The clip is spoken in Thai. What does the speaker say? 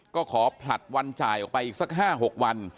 ก็ขอผลัดวันจ่ายออกไปอีกสัก๕๖วัน